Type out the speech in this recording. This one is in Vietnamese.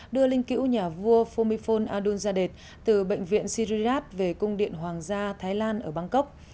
đưa linh cữu nhà vua fumifon adunzadeh từ bệnh viện sirirat về cung điện hoàng gia thái lan ở bangkok